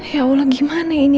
ya allah gimana ini